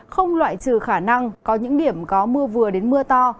không loại trừ khả năng có những điểm có mưa vừa đến mưa to